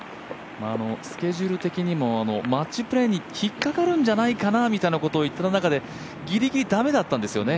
スケジュール的にもマッチプレーに引っかかるんじゃないかなといっていた中でギリギリだめだったんですよね。